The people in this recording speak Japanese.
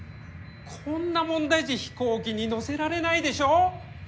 こんな問題児飛行機に乗せられないでしょ！？